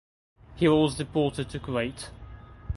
He was deported to Kuwait.